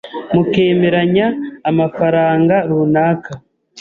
mukemeranya amafaranga runaka